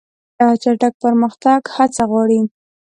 چټک پرمختګ هڅه غواړي.